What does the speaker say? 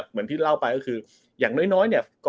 เหมือนที่เล่าไปก็คืออย่างน้อยเนี่ย